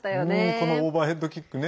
このオーバーヘッドキックね。